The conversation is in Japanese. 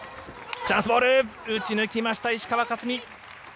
チャンスボール、打ち抜きました、石川佳純。